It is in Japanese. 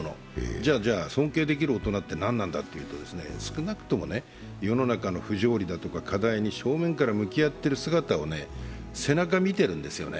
じゃ、尊敬できる大人って何なんだっていうと少なくとも世の中の不条理だとか課題に正面から向き合っている背中を見てるんですよね。